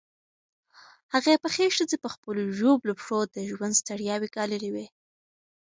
هغې پخې ښځې په خپلو ژوبلو پښو د ژوند ستړیاوې ګاللې وې.